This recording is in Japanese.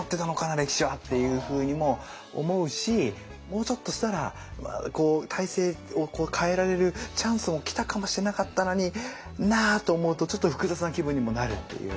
歴史は。っていうふうにも思うしもうちょっとしたら体制を変えられるチャンスも来たかもしれなかったのになと思うとちょっと複雑な気分にもなるっていう。